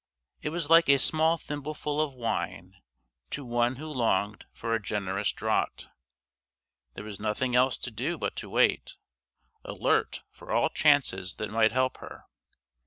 It was like a small thimbleful of wine to one who longed for a generous draught; there was nothing else to do but to wait, alert for all chances that might help her.